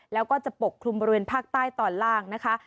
แล้วก็จะปกคลุมบริเวณภาคใต้ตอนล่างนะคะ